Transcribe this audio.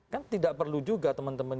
kan tidak perlu juga teman teman